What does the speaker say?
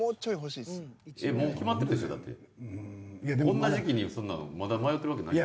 こんな時期にまだ迷ってるわけない。